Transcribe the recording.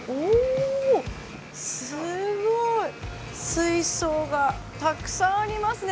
水槽がたくさんありますね。